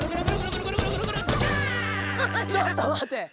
ちょっとまて！